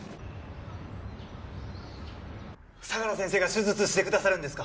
相良先生が手術してくださるんですか！